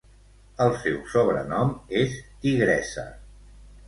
El seu sobrenom és "Tigressa".